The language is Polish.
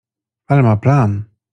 Ale ma plan.